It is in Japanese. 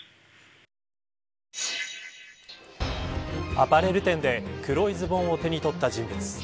アパレル店で黒いズボンを手に取った人物。